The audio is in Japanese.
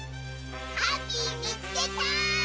ハッピーみつけた！